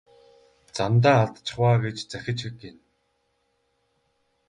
Замдаа алдчихав аа гэж захиж гэнэ.